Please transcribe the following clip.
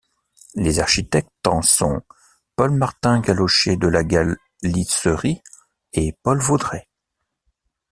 Les architectes en sont Paul-Martin Gallocher de Lagalisserie et Paul Vaudrey.